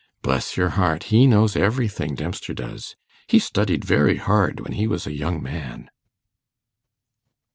Bless your heart, he knows everything, Dempster does. He studied very hard when he was a young man.